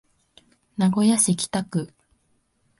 名古屋市北区